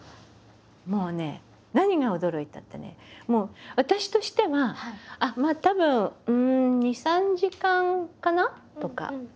もうね何が驚いたってね私としてはあっまあたぶん２３時間かなとか。